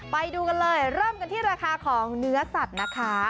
ไปดูกันเลยเริ่มกันที่ราคาของเนื้อสัตว์นะคะ